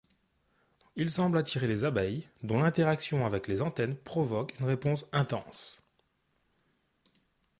Il semble attirer les abeilles dont l'interaction avec les antennes provoque une réponse intense.